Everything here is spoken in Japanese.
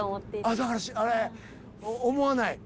だから思わない。